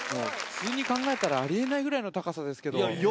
普通に考えたらあり得ないぐらいの高さですけど。